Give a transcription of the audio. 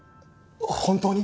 本当に？